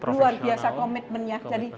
luar biasa komitmennya